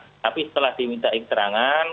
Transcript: tapi setelah diminta ikhterangan